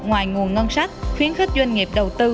ngoài nguồn ngân sách khuyến khích doanh nghiệp đầu tư